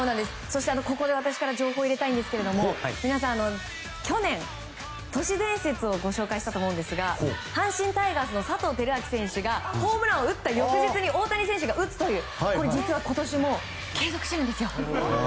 ここで私からも情報を入れたいんですが皆さん、去年都市伝説をご紹介したと思うんですが阪神タイガースの佐藤輝明選手がホームランを打った翌日に大谷選手が打つという、これを今年も継続しているんですよ。